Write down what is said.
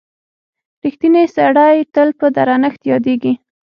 • رښتینی سړی تل په درنښت یادیږي.